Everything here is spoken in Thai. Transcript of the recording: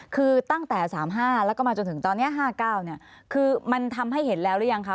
คือตั้งแต่๓๕แล้วก็มาจนถึงตอนนี้๕๙คือมันทำให้เห็นแล้วหรือยังคะ